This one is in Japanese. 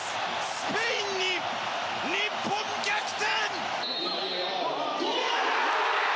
スペインに日本、逆転！